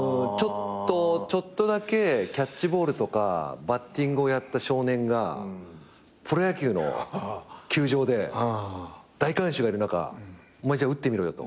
ちょっとだけキャッチボールとかバッティングをやった少年がプロ野球の球場で大観衆がいる中お前打ってみろよと。